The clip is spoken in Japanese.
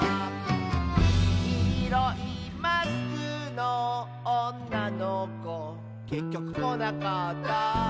「きいろいマスクのおんなのこ」「けっきょくこなかった」